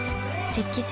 「雪肌精」